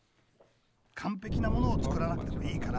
完璧なものを作らなくてもいいから。